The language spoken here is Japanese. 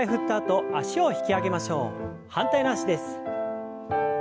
反対の脚です。